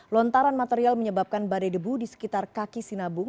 lontaran material menyebabkan badai debu di sekitar kaki sinabung